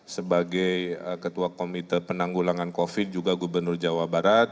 sebagai ketua komite penanggulangan covid juga gubernur jawa barat